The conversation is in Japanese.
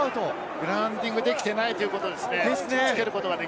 グラウンディングできていなかったということですね。